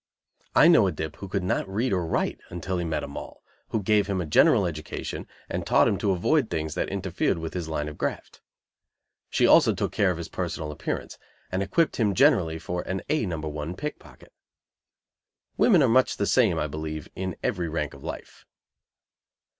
I know a dip who could not read or write until he met a Moll, who gave him a general education and taught him to avoid things that interfered with his line of graft; she also took care of his personal appearance, and equipped him generally for an A No. 1 pickpocket. Women are much the same, I believe, in every rank of life.